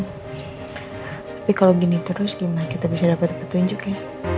tapi kalau gini terus gimana kita bisa dapat petunjuk ya